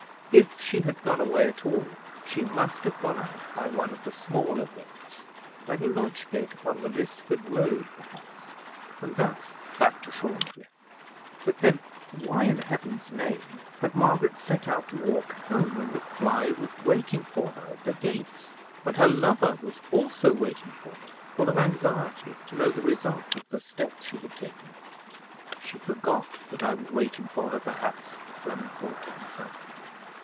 If she had gone away at all, she must have gone out by one of the smaller gates—by the lodge gate upon the Lisford Road, perhaps, and thus back to Shorncliffe. But then, why, in Heaven's name, had Margaret set out to walk home when the fly was waiting for her at the gates; when her lover was also waiting for her, full of anxiety to know the result of the step she had taken? "She forgot that I was waiting for her, perhaps," Clement thought to himself.